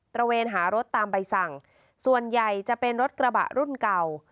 ระเวนหารถตามใบสั่งส่วนใหญ่จะเป็นรถกระบะรุ่นเก่า